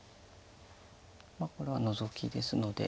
これはノゾキですので。